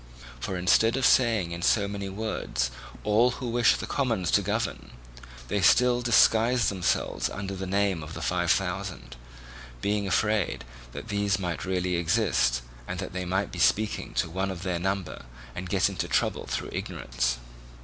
For instead of saying in so many words "all who wished the commons to govern," they still disguised themselves under the name of the Five Thousand; being afraid that these might really exist, and that they might be speaking to one of their number and get into trouble through ignorance.